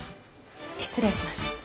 失礼します。